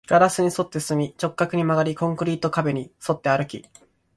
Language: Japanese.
ガラスに沿って進み、直角に曲がり、コンクリート壁に沿って歩き